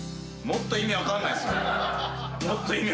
もっと意味分かんないでしょ。